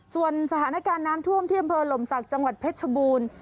ส่วนสถานการณ์น้ำท่วมที่อำเภอหลมศักดิ์จังหวัดเพชรชบูรณ์